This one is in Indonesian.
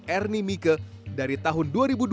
ernie mieke dari tahun